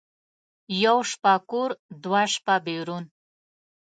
یوه شپه کور، دوه شپه بېرون.